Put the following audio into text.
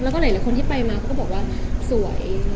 แล้วก็หลายคนที่ไปมาเขาก็บอกว่าสวย